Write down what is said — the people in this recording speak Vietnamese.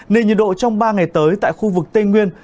nên nhiệt độ trong ba ngày tới tại khu vực tây nguyên